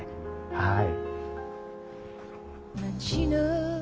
はい。